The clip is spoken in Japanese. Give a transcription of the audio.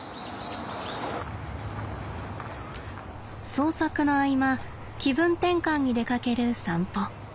創作の合間気分転換に出かける散歩。